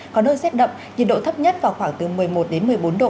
có nơi rét đậm nhiệt độ thấp nhất vào khoảng từ một mươi một đến một mươi bốn độ